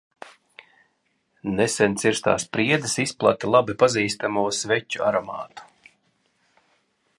Nesen cirstās priedes izplata labi pazīstamo sveķu aromātu.